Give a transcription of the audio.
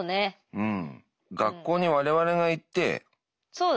うん。